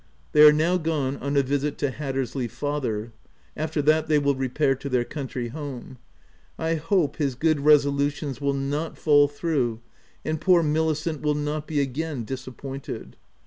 They are now gone on a visit to Hattersley's father. After that, they will repair to their country home. I hope his good resolutions will not fall through, and poor Milicent will not be again disappointed.